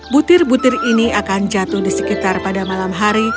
butir butir ini akan jatuh di sekitar pada malam hari